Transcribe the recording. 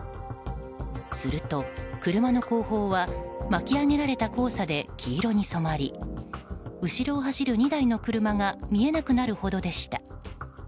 すると、車の後方は巻き上げられた黄砂で黄色に染まり後ろを走る２台の車が見えなくなるほどでした。